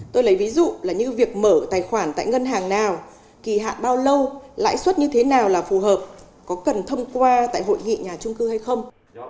tôi lấy ví dụ là như việc mở tài khoản tại ngân hàng nào kỳ hạn bao lâu lãi suất như thế nào là phù hợp có cần thông qua tại hội nghị nhà trung cư hay không